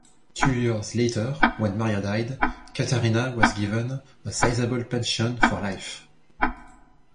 Two years later, when Maria died, Catharina was given a sizeable pension for life.